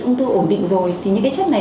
ung thư ổn định rồi thì những cái chất này